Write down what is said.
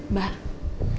bah ada yang ngetok